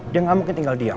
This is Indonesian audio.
dia gak mungkin tinggal diam